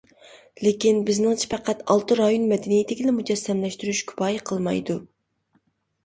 لېكىن، بىزنىڭچە پەقەت ئالتە رايون مەدەنىيىتىگىلا مۇجەسسەملەشتۈرۈش كۇپايە قىلمايدۇ.